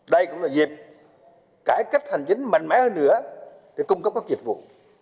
đây cũng là dịp cải cách hành chính mạnh mẽ hơn nữa để cung cấp các dịch vụ